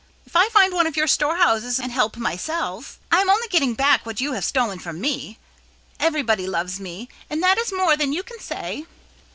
If I find one of your storehouses and help myself, I am only getting back what you have stolen from me. Everybody loves me and that is more than you can say."